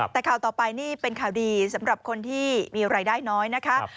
แต่ข่าวต่อไปนี่เป็นข่าวดีสำหรับคนที่มีรายได้น้อยนะคะ